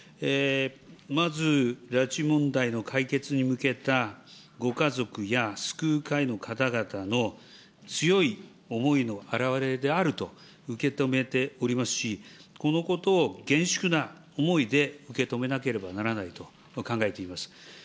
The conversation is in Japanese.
まず拉致問題の解決に向けた、ご家族や救う会の方々の強い思いの表れであると受け止めておりますし、このことを厳粛な思いで受け止めなければならないと考えています。